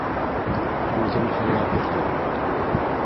— Үҙем һайлап бирҙем.